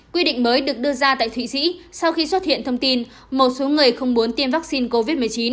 quy định mới được đưa ra tại thụy sĩ sau khi xuất hiện thông tin một số người không muốn tiêm vaccine covid một mươi chín